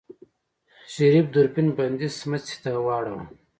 شريف دوربين بندې سمڅې ته واړوه.